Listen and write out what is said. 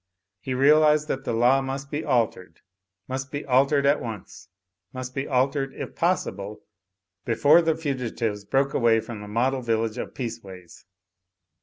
He realised that the law must be altered. Must be altered at once. Must be altered, if possible, before the fugitives broke away from the Model Village of Peaceways.